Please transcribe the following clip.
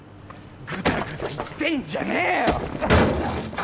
グダグダ言ってんじゃねえよ！